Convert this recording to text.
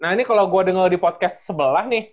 nah ini kalau gue denger di podcast sebelah nih